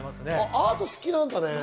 アート好きなんだね。